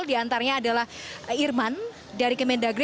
di antaranya adalah irman dari kemendagri